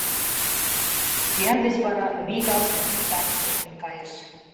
Сӱан деч вара вигак кугу сарыш лектын кайыш.